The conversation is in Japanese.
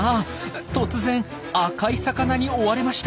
突然赤い魚に追われました。